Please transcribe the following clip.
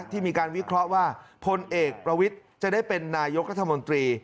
ที่มีการวิเคราะห์ว่าพลเอกประวิทย์จะได้เป็นนายกรัฐมนตรี